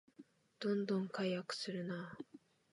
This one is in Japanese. どんどん改悪するなあ